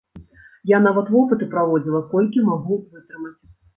Я нават вопыты праводзіла, колькі магу вытрымаць.